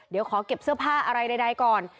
เดี๋ยวขอเก็บเสื้อผ้าอะไรใดก่อน